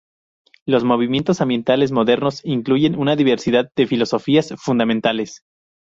Los movimientos ambientales modernos incluyen una diversidad de filosofías fundamentales.